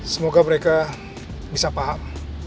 semoga mereka bisa paham